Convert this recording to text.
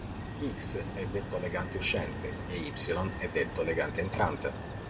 X è detto legante uscente e Y è detto legante entrante.